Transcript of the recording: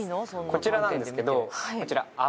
こちらなんですけどこちら。